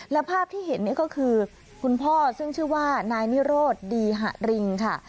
และภาพที่เห็นนี่ก็คือคุณพ่อซึ่งชื่อว่านายนิโรธดีหะริงค่ะ